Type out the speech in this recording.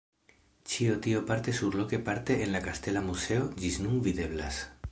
Ĉio tio parte surloke parte en la Kastela muzeo ĝis nun videblas.